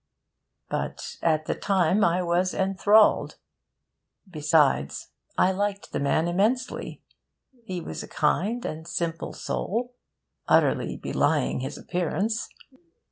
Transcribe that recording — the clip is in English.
But at the time I was enthralled. Besides, I liked the man immensely. He was a kind and simple soul, utterly belying his appearance.